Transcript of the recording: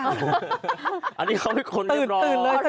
อันนี้เขาเป็นคนเรียบร้อย